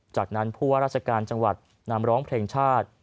จากนั้นผู้ว่าราชการจังหวัดนำร้องเพลงชาติ